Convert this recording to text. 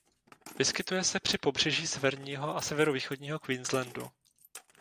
Vyskytuje se při pobřeží severního a severovýchodního Queenslandu.